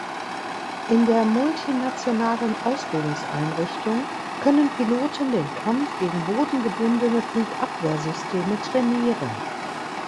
In der multinationalen Ausbildungseinrichtung können Piloten den Kampf gegen bodengebundene Flugabwehrsysteme trainieren.